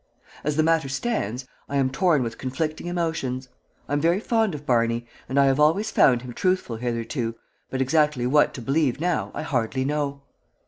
As the matter stands, I am torn with conflicting emotions. I am very fond of Barney, and I have always found him truthful hitherto, but exactly what to believe now I hardly know.